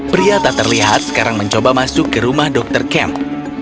pria tak terlihat sekarang mencoba masuk ke rumah dr kem